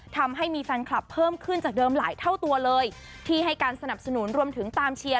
ทำให้มีแฟนคลับเพิ่มขึ้นจากเดิมหลายเท่าตัวเลยที่ให้การสนับสนุนรวมถึงตามเชียร์